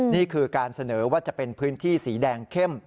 นี่คือการเสนอว่าจะเป็นพื้นที่สีแดงเข้ม